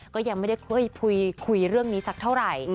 ก็ยังไม่ได้คุยเรื่องนี้สักเท่าไหร่